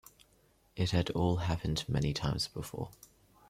It had all happened many times before.